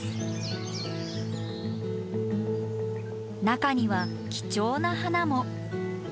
中には貴重な花も。